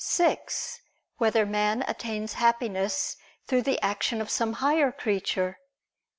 (6) Whether man attains Happiness through the action of some higher creature?